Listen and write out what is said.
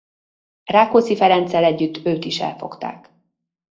Rákóczi Ferenccel együtt őt is elfogták.